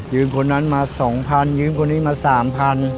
ยืมคนนั้นมา๒๐๐๐ยืมคนนี้มา๓๐๐๐